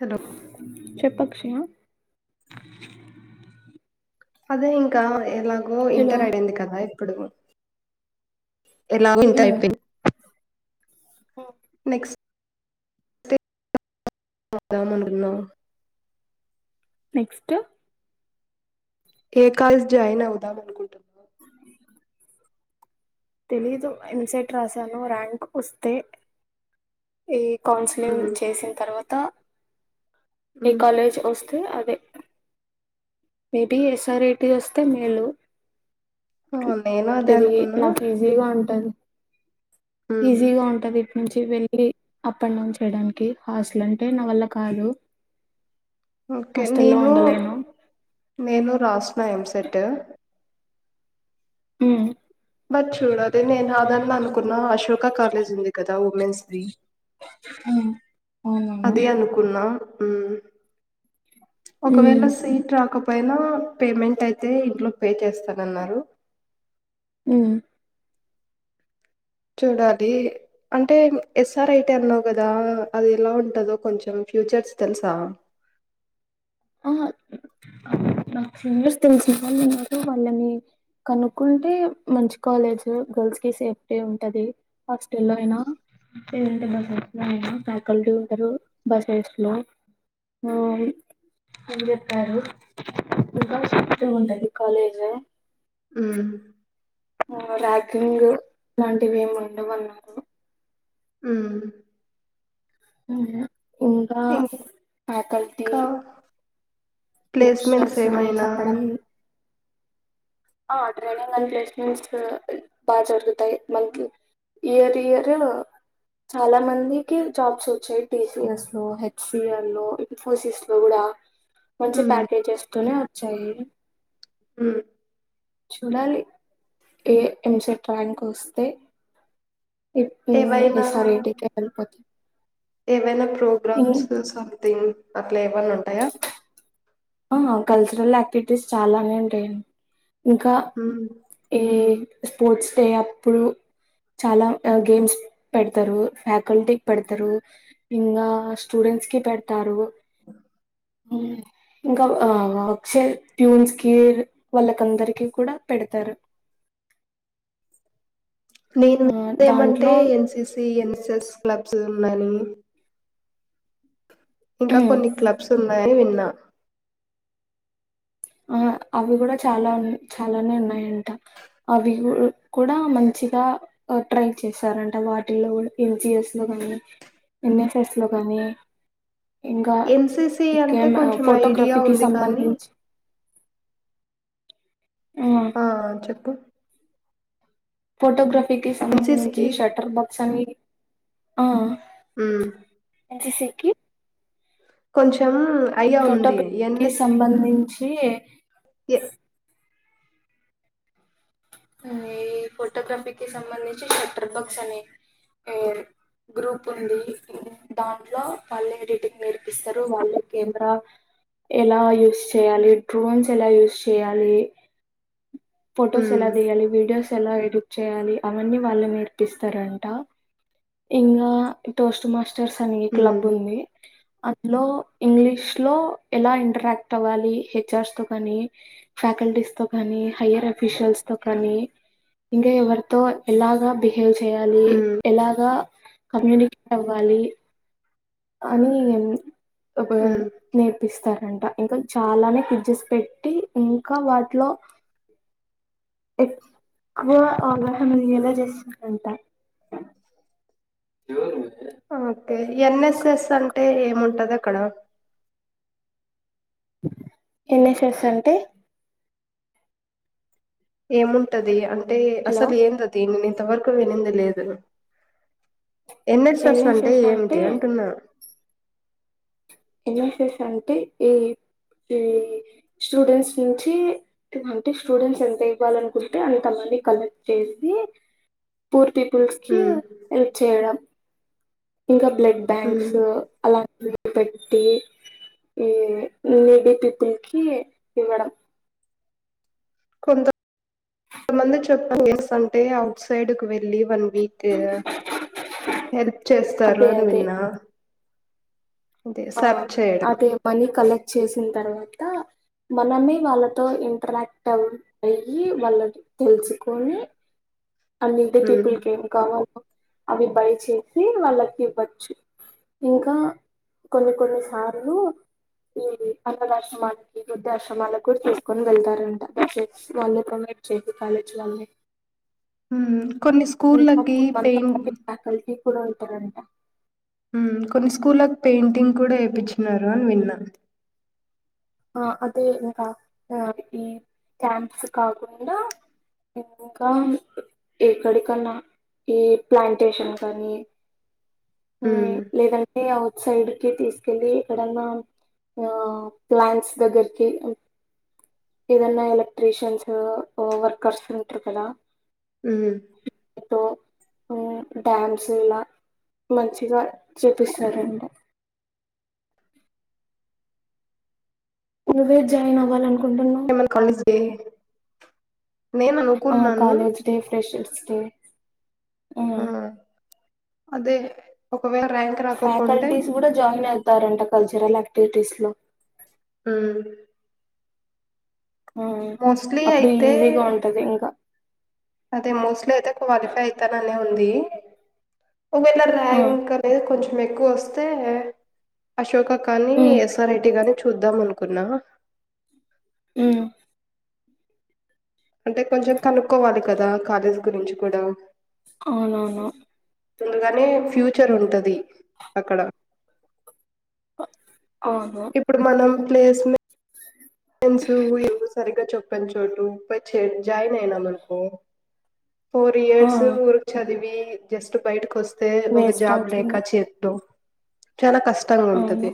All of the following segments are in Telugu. హలో చెప్పు అక్ష ఆ అదే ఇంకా ఎలాగ్ నువ్ హలో ఇంటర్ అయ్యంది కదా ఇప్పుడు ఎలా [unintelligible] ఓ నెక్స్ట్ [inaudible] మంటున్నావు నెక్స్ట్ ఏ కాలేజ్ జాయిన్ అవుదాం అనుకుంటున్నావ్. తెలీదు ఎమ్ సెట్ రాసాను ర్యాంక్ వస్తే. కౌన్సిలింగ్ ఉమ్, చేసిన్ తర్వాత్ తా ఏ ఉమ్. కాలేజ్ వస్త్ తే అదే. Maybe S R I T వస్తే మేలు. ఆ, నేను అదే ఎదిగి అనుకున్నా నాకు ఈజీగా ఉంటది. ఉమ్, ఈజీగా ఉంటది ఇప్ నుంచి వెళ్ళి అప్ అండ్ డౌన్ చేయడానికి హాస్టల్ అంటే నా వల్ల కాదు. ఓకే హాస్టల్లో నేను ఉండలేను నేను రాసిన ఎంసెట. ఊ బట్ చూడ అదే నేను అదన్ అనుకున్నా అశ్వక్ క కాలేజ్ ఉంది కద్ ద వుమెన్స్ దీ ఉమ్ అవునవును అదే అనుకున్నాం. హు ఒకవేళ ఉమ్ సీట్ రాకపో పోయినా పేమెంట్ అయితే ఇంట్లో పే చేస్తానన్నారు. హు చూడాలి అంటే ఎస్ ఆర్ ఐటి అన్నావు కదా, అది ఎలా ఉంటదో కొంచెం ఫ్యూచర్స్ తెల్సా ఆహ నాక్ సీనియర్స్ తెలిసిన వాళ్ళు ఉన్నారు. వాళ్ళని కనుక్కుంటే మంచి కాలేజ్ గర్ల్స్ కి సేఫ్టీ ఉంటంది‌. హాస్ట లో అయినా లేదంటే బస్ అయినా ఫ్యాకల్టీ ఉంటారు. బసెస్ లో ఆ అని చెప్పారు. ఇంకా [inaudible] ఉంటది కాలేజు హు ర్యాకింగ్ ఇలాంటివి ఏమి ఉండవన్నారు. ఉ ఉ ఇంకా ఇంకా ఫ్యాకల్టీ ప్లేస్మెంట్స్ లెక్చరర్స్ ఏవైనా చెప్పడం ఆ ట్రైనింగల్ ప్లేస్మెంట్స్ బా జరుగుతాయ్, మంత్లీ ఇయర్ ఇయర్ చాలా మందికి జాబ్స్ వచ్చాయ్, టీసిఎస్ లో హెచ్ సి ల్ లో ఇన్ఫోసిస్ లో కూడా మంచి ఉమ్. ప్యాకేజెస్ తొనే చైయ్ హు చూడాలి ఏ ఎంసెట్ ర్యాంక్ వస్తే ఇ ఇ ఏవైనా ఎస్ ఆర్ ఏటి కి ఎల్పోత్ ఏవైనా ప్రోగ్రామ్స్ సంథింగ్ ట్లా ఏవన్న ఉంటాయా ఆ కల్చరల్ యాక్టివిటీస్ చాలానే ఉంటయ్. ఇంకా ఉమ్. ఈ స్పోర్ట్స్ డే అప్పుడు చాలా గేమ్స్ పెడతరు. ఫ్యాకల్టీకి పెడతారు, ఇంగా స్టూడెంట్స్ కి పెడతారు. ఉమ్ ఇంకా అక్షయ్ ప్యూన్స్కి వాళ్ళకందరికి కూడా పెడతరు. నేను ఏమంటే ఎన్సిసి ఎన్ స్ క్లబ్స్ ఉన్నాని. ఇంకా హ్మ్ కొన్ని క్లబ్స్ ఉన్నాయని విన్ నా ఆ అవి కూడా చాలా చాలానే ఉన్నాయంట, అవి కు కూడా మంచిగా ఆ ట్రై చేశారంట, వాటిల్లో ఎన్సిఎస్ లో కానీ ఎన్ఎస్ఎస్ లో కానీ ఎన్సిసి అంటే కొంచెం ఐడియా ఫోటోగ్రఫీకి ఉంది కానీ సంబంధించి ఆ చెప్పు ఫోటోగ్రాఫ్ కి సంబంధించి ఎన్సిసికి షటర్ బాక్స్ అని ఆ ఆమ్ ఎన్ సి సి కి కొంచెం ఐడియా ఉంది. ఫోటోగ్రఫీ కి సంబంధించి చి ఏ ఈ ఫోటోగ్రఫీకి సంబంధించి షట్టర్ బక్స్ అనే గ్రూప్ ఉంది దాంట్లో వల్లే ఎడిటింగ్ నేర్పిస్తారు వల్లే కెమెరా ఎలా యూస్ చేయాలి డ్రోన్స్ ఎలా యూస్ చేయాలి ఫోటోస్ హ్మ్. ఎలా తీయాలి విడియోస్ ఎలా ఎడిట్ చేయాలి అవన్నీ వాళ్ళు నేర్పిస్తారంట ఇంకా టోస్ట్ మాస్టర్ చర్స్ అని హ్మ్. క్లబ్ ఉంది అందులో ఇంగ్లీష్ లో ఎలా ఇంటరాక్ట్ అవ్వాలి హెచ్ఆర్స్ తో కాని ఫ్యాకల్టీస్ తో కాని హైయ్యర్ అఫీషియల్స్ తో కానీ ఇంకా ఎవరితో ఎలాగా బి బిహేవ్ చేయాలి హ్మ్. ఎలాగా కమ్యూనికేట్ అవ్వాలి అని ఒకవేళ హ్మ్. నేర్పిస్తారు అంట ఇంకా చాలానే క్విజస్ పెట్టి ఇంకా వాటిలో ఎక్కువ అవగాహన ఇయ్యేలా చేస్తారంట ఎవరు ఓకే. ఎన్ఎస్ఎస్ అంటే ఏముంటది అక్కడ ఎన్ఎస్ఎస్ అంటే ఏముంటది అంట అంటే హలో అసలు ఏం ఆది ఇంతవరకు వినింది లేదు ఎన్ఎస్ ఎస్ అంటే ఏమిటి అంటున్నా ఎన్ఎస్ఎస్ అంటే ఈ ఈ స్టూడెంట్స్ నుంచి అంటే స్టూడెంట్స్ ఎంత ఇవ్వాల అనుకుంటే అంతమని కలెక్ట్ చేసి పూర్తి పూర్స్ కి హ్మ్. హెల్ప్ చేయడం ఇంకా బ్లడ్ బ్యాంక్స్ హ్మ్. అలాంటి పెట్టి ఈ నేబీ పీపుల్ కి ఇవ్వడం కొంత కొంతమంది చెప్పండి ఎస్ అంటే అఔట్ సైడ్ కి వెళ్ళి వన్ మీకు హెల్ప్ చేస్తారు అదే అని అదే విన్నా అదే ఆ సెర్చ్ చేయడం. అదే పని కలె చేసిన తర్వాత మనమే వాళ్తో ఇంటరక్ట్ అయ్యి వాళ్ళ తెలుసుకొని అం ద హ్మ్. పీపుల్ కి ఏం కావాల అవి బయ చేసి వాళ్ళకి ఇవ్వచ్చు ఇంకా కొన్ని కొన్ని సార్లు ఈ అన్నదాశ్రమాలకి వృద్ధాశ్రమాలకు కూడా తీసుకొని వెళ్తారంట బ వాళ్ళు ప్రొమైట్ చేసి కాలేజీలల్ని హు కొన్ని స్కూళ్లకి మనతో పెయిం పాటు ఫ్యాకల్టీ కూడా ఉంటారంట హు కొన్ని స్కూల్లకు పెయింటింగ్ కూడా వేయిించన్నారు అని విన్నా ఆ అదే ఇంకా ఆ ఈ క్యాంప్స్ కాకుండా ఇంకా ఎక్కడికన్నా ఈ ప్లాంటేషన్ కానీ ఆ అఔట్ సైడ్ కి తీసుకెళ్ళలి ఎక్కడన్నా ఆ ప్లాట్స్ దగ్గరకి ఏదన్నా ఎలక్ట్ర్రిషియన్స్ వర్కర్స్ ఉంటారు కదా అ డో డో డ్యామ్స్ ఇలా మంచిగా చూపిస్తారండి నువ్వే జాయిన్ అవాలనుకున్న కుంటున్నావ్ అ ఆ కాలేజ్ డే ఫ్రెషర్స్ డే ఆ అదే ఒకవేళ ర్యాంక్ రాకోకుంటే ఫ్యాకల్టీస్ కూడా జాయిన్ అవుతారంట కల్చరల్ విటీస్లో ఆ ఆ అప్పుడు అయితే ఈజీగా ఉంటది ఇంకా అదే మోస్ట్లీ అయితే క్వాలిఫై అవుతానన్నని ఉంది ఒకవేళ ఉమ్, ర్యాంక్ అనేది కొంచెం కు వస్త అశోక కానీ ఉమ్, ఎస్ఆర్ఐటి గాని చూద్దాం అనుకో కున్నా అ అంటే కొంచెం కనుక్కోవాలి కదా కాలేజ్ గురించి కూడా అవునవును ముందుగానే ఫ్యూచర్ ఉంటది అక్కడ ఆ ఇప్పుడు మనం ప్లేస్ మే పెన్ చోటూ పోయి చే జాయిన్ అయినా మనుకో ఫోర్ ఆ! ఇయర్స్ ఊరుకి చదివి జస్ట్ బయట్కి వస్ తే ఒక వేస్ట్ జాబ్ లేక అవుతుంది. చేతిలో చాల కష్ ష్టంగా అవును. ఉంటది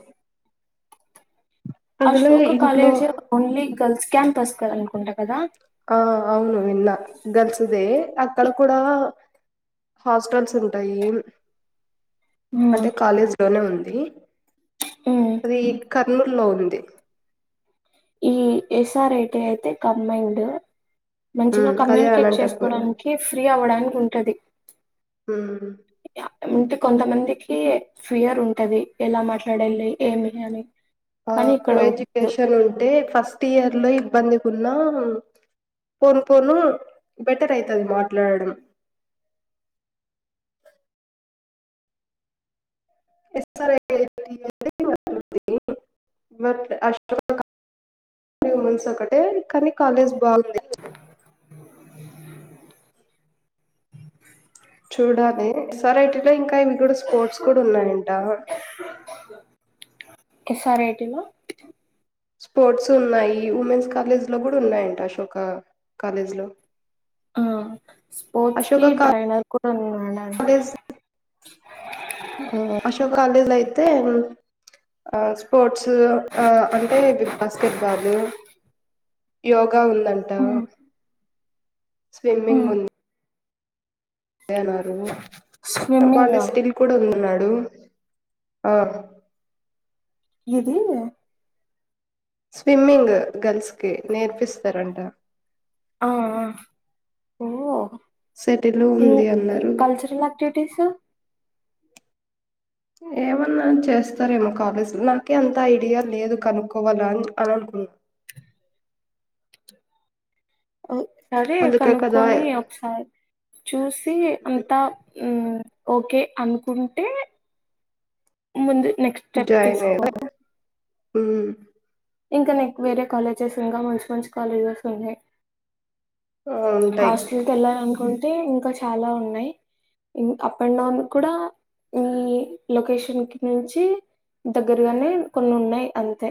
అందులో అశోక ఇంట్లో కాలేజ్ ఓన్లీ గర్ల్స్ క్యాంపస్ కద అనుకుంటా కదా ఆ అవును విన్నా గర్ల్స్దే అక్కడ ఇ కూడా హాస్టల్స్ ఉంటాయి హ్మ్. అంటే కాలేజ్ లోనే ఉం ది హ్మ్. అది కర్నూలు లో ఉంది ఈ ఎస్ఆర్ ఐటి అయితే కంబైండ్ ఉమ్ మంచిగా అదే కమ్యూనికేట్ అనంతపూర్ చేసుకోవడానికి ఫ్రీ అవ్వడానికి ఉంటది హు యాహ్! అంటే కొంతమందికి ఫియర్ ఉంటది ఎలా మాట్లాలి ఏమి అని ఆ కానీ కో ఇక్కడ ఉండదు. ఎడ్యుకేషన్ ఉంటే ఫస్ స్ట్ ఇయర్ లో ఇబ్బంది గా ఉన్నా పోను పోను బెటర్ అయితది మాట్లాడడం ఎస్ ఆర్ ఐటి అయితే [unintelligible] బట్ అశోక కాలేజ్ విమెన్స్ ఒకటే కానీ కాలేజ్ బా చూడాలి ఎస్ ఆర్ ఐటిలో ఇంకా ఇవి కూడా స్పోర్ట్స్ కూడా ఉన్నాయంట ఎస్ ఆర్ ఐ టి లో స్పోర్ట్స్ ఉన్నాయి ఉమెన్స్ కాలేజ్ లో కూడా ఉన్నాయంట అశోక కాలేజ్ లో ఆ స్పోర్ట్స్ కి అశోక ట్రైనర్ కుటా నిన్ కాలేజ్ హా అశోక కాలేజ్ లయి తే స్పోర్ట్స్ అంటే బాస్కెట్ బాల్ గా ఉందంట హ్మ్. స్విమ్మింగ్ హ్మ్. ఉం అదే అన్నారు బానే స్విమ్మింగా స్టిల్ కూడా ఉందన్నాడు ఊ ఆ ఇది స్విమ్మింగ్ గర్ల్స్ కి నేర్పిస్తారంట ఆఆ ఓ హో సెటిలు ఉంది అన్నారు యాక్టివిటీస్ ఏమన్నా చేస్తారేమో కాలేజ్లో నాకీ అంత ఐడియా లేదు కనుక్కోవాలా అన్ అననకున్ అవ్ సరే అందుకే కదా కనుక్కక్కొని ఒకసారి చూసి అంతా ఊ ఓకే అనుకుంటే ముందు నెక్స్ట్ స్టెప్ తీసుకో ఊ ఇంకా నెక్ వేరే కాలేజెస్ ఇంకా మంచి మంచి కాలేజెస్ ఉన్నాయ్ ఆ ఉంటాయి హాస్టెల్కెల్లాలకున్ టే ఇంకా చాలా ఉన్నాయి. ఇన్ అప్ అండ్ డౌన్ కూడా ఈ లొకేషన్ కి నుంచి దగ్గరగానే కొన్ని ఉన్నాయి అంతే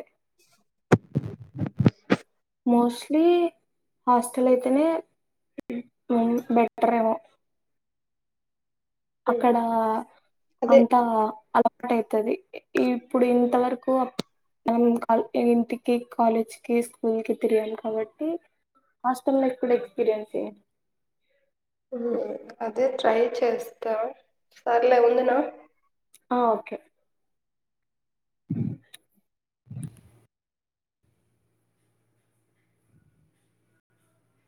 మోస్ట్లీ హాస్టలైతేనే హ్మ్ బెట్రేమో అక్కడ అదే అంతా అ ర్టైతది ఇ ఇప్పుడు ఇంతవరకు మనం కల్ ఇంటికి కాలేజ్కి స్కూల్కి తిరిగాం కాబట్టి. హాస్టల్లో ఎప్పుడు ఎక్స్పీరియన్స్ ఏ హ్మ్ అదే ట్రై చేస్తా. సర్లే ఉందునా ఆ ఓకే